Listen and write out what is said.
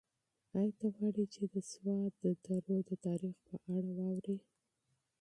ایا ته غواړې چې د سوات د درو د تاریخ په اړه واورې؟